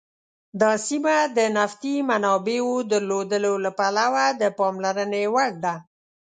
دا سیمه د نفتي منابعو درلودلو له پلوه د پاملرنې وړ ده.